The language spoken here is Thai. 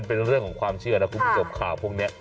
เป็นเรื่องของความเชื่อนะคุณผู้ชมข่าวพวกนี้